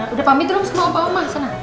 udah pamit dulu semua opa oma sana